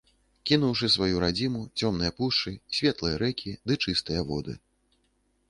Кінуўшы сваю радзіму, цёмныя пушчы, светлыя рэкі ды чыстыя воды.